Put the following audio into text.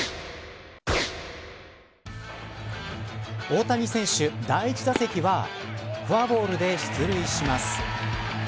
大谷選手、第１打席はフォアボールで出塁します。